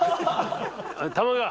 玉川。